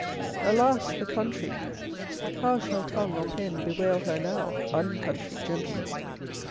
"Alas, the country! How shall tongue or pen Bewail her now, _un_country gentlemen!